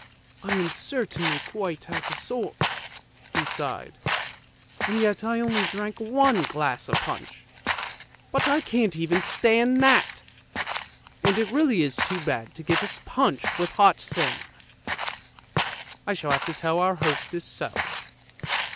" I am certainly quite out of sorts," he sighed, " and yet I only drank one glass of punch. But I can't stand even that! and it really is too bad to give us punch with hot salmon! I shall have to tell our hostess so!